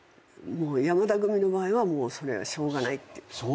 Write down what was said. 山田組の場合はもうそれはしょうがないっていう。